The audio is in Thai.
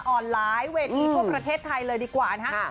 ออนไลน์เวทีทั่วประเทศไทยเลยดีกว่านะฮะ